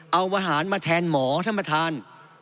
เอาวะหารมาแทนหมอท่านมหาศัลการณ์